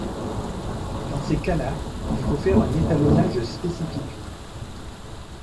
Dans ces cas-là, il faut faire un étalonnage spécifique.